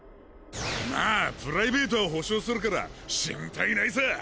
まプライベートは保障するから心っ配ないさぁ！